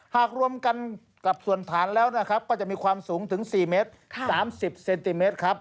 รวมกันกับส่วนฐานแล้วนะครับก็จะมีความสูงถึง๔เมตร๓๐เซนติเมตรครับ